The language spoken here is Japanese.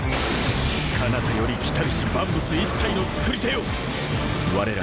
彼方より来りし万物一切の作り手よ我ら